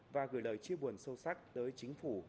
và gửi lời chia buồn sâu sắc tới chính phủ